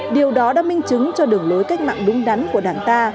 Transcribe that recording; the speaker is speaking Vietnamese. điều đó đã minh chứng cho đường lối cách mạng đúng đắn của đảng ta